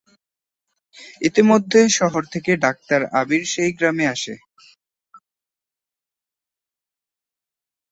ইতিমধ্যে শহর থেকে ডাক্তার আবির সেই গ্রামে আসে।